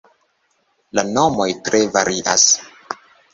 La nomoj tre varias.